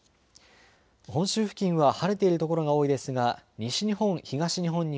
本州付近は晴れている所が多いですが西日本、